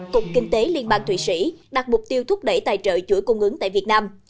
cục kinh tế liên bang thụy sĩ đặt mục tiêu thúc đẩy tài trợ chuỗi cung ứng tại việt nam